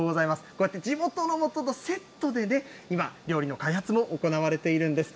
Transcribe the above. こうやって地元のものとセットでね、今、料理の開発も行われているんです。